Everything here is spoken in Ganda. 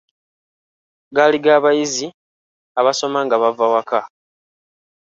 Gaali ga bayizi abasoma nga bava waka.